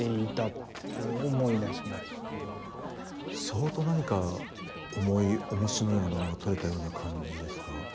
相当何か重いおもしのようなものが取れたような感じですか？